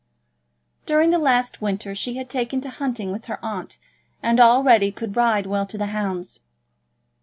During the last winter she had taken to hunting with her aunt, and already could ride well to hounds.